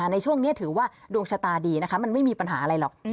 ในช่วงนี้ถือว่าดวงชะตาดีนะคะมันไม่มีปัญหาอะไรหรอก